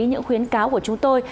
những khuyến cáo của chúng tôi